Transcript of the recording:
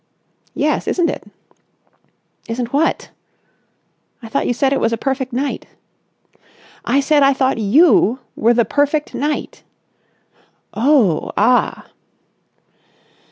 "Yes, isn't it?" "Isn't what?" "I thought you said it was a perfect night." "I said I thought you were the perfect knight." "Oh, ah!"